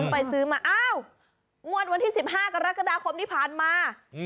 ไปซื้อมาอ้าวงวดวันที่๑๕กรกฎาคมที่ผ่านมา